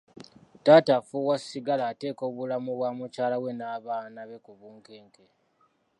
Taata afuuwa sigala ateeka obulamu bwa mukyala we n'abaana be ku bunkenke.